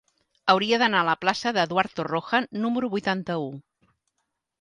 Hauria d'anar a la plaça d'Eduard Torroja número vuitanta-u.